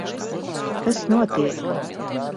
Kas notiek?